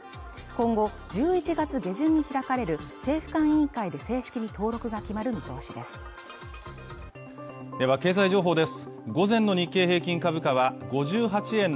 今後１１月下旬に開かれる政府間委員会で正式に登録が決まる見通しです